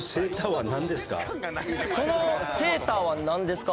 そのセーターはなんですか？